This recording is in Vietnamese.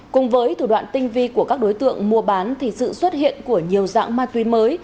cùng với thủ đoạn tinh vi của các đối tượng mua bán thì sự xuất hiện của nhiều dạng ma túy mới